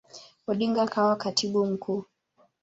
Odinga akawa Katibu Mkuu.